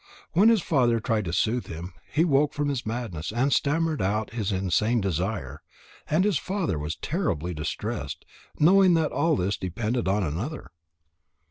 When his father tried to soothe him, he woke from his madness and stammered out his insane desire. And his father was terribly distressed, knowing that all this depended on another.